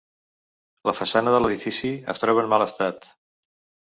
La façana de l’edifici es troba en mal estat.